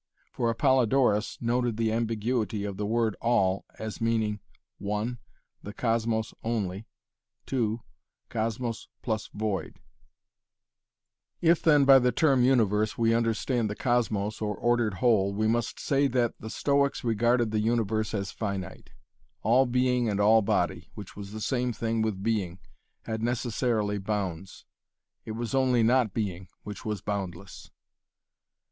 For Appolodorus noted the ambiguity of the word 'All' as meaning, (1) the cosmos only, (2) cosmos + void If then by the term "universe" we understand the cosmos, or ordered whole, we must say that the Stoics regarded the universe as finite. All being and all body, which was the same thing with being, had necessarily bounds, it was only not being, which was boundless.